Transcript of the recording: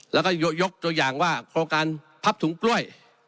แล้วก็ยกตัวอย่างว่าโครงการพับถุงกล้วย